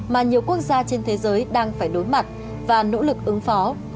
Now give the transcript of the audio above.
mà nhiều quốc gia trên thế giới đang phải đối mặt và nỗ lực ứng phó